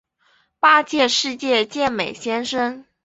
八届世界健美先生。